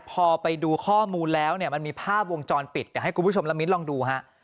พอไปดูข้อมูลแล้วเนี่ยมันมีภาพวงจรปิดเดี๋ยวให้คุณผู้ชมและมิ้นลองดูฮะ